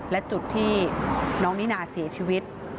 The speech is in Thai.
และจุดที่น้องนิน่าเสียชีวิต